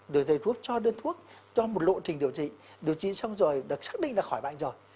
để thầy thuốc cho đơn thuốc cho một lộ trình điều trị điều trị xong rồi được xác định là khỏi bệnh rồi